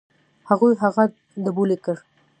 هغوی هغه ډبولی کړ.